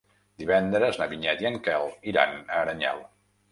Divendres na Vinyet i en Quel iran a Aranyel.